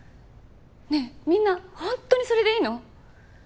ねえみんな本当にそれでいいの？